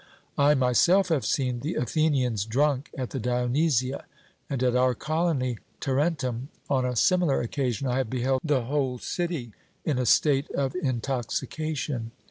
I myself have seen the Athenians drunk at the Dionysia and at our colony, Tarentum, on a similar occasion, I have beheld the whole city in a state of intoxication.'